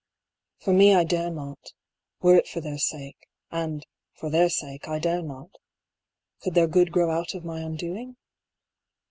For me I dare not, were it for their sake, . and, for their sake, I dare not; could their good grow out of my undoing?